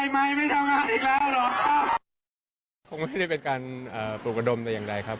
มันไม่ได้เป็นการเอ่อปลูกกระดมแต่อย่างไรครับ